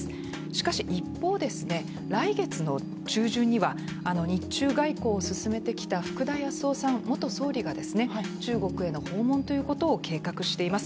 しかし一方、来月の中旬には日中外交を進めてきた福田康夫さん、元総理が中国への訪問ということを計画しています。